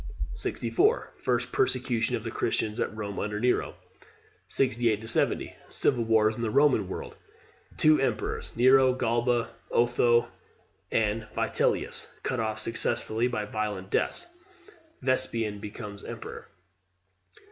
64. First persecution of the Christians at Rome under Nero. 68 70. Civil wars in the Roman World. The emperors Nero, Galba, Otho, and Vitellius, cut off successively by violent deaths. Vespasian becomes emperor.